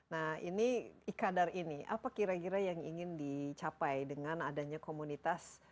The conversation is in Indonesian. nah ini ikadar ini apa kira kira yang ingin dicapai dengan adanya komunitas